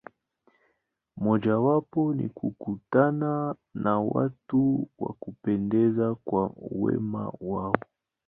Mojawapo ni kukutana na watu wa kupendeza kwa wema wao.